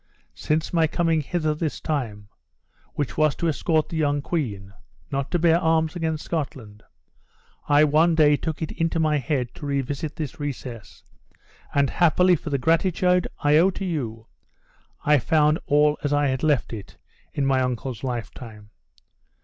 Since my coming hither this time (which was to escort the young queen not to bear arms against Scotland), I one day took it into my head to revisit this recess; and, happily for the gratitude I owe to you, I found all as I had left it in my uncle's lifetime.